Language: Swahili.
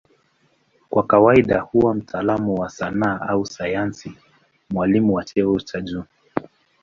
Kwa kawaida huwa mtaalamu wa sanaa au sayansi, mwalimu wa cheo cha juu.